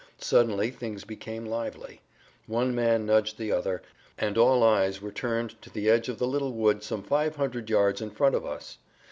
Suddenly things became lively. One man nudged the other, and all eyes were turned to the edge of the little wood some five hundred yards in front of us.